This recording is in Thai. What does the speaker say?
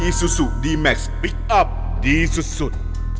อีซูสูเดี่ยงเมคส์พิกอัพดีสุดสุด